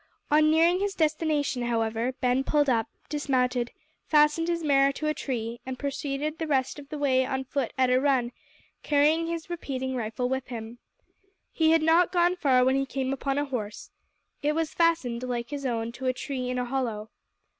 On nearing his destination, however, Ben pulled up, dismounted, fastened his mare to a tree, and proceeded the rest of the way on foot at a run, carrying his repeating rifle with him. He had not gone far when he came upon a horse. It was fastened, like his own, to a tree in a hollow.